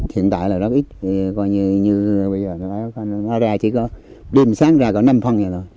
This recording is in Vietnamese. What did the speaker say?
hiện tại là rất ít coi như như bây giờ nó ra chỉ có đêm sáng ra có năm phần vậy thôi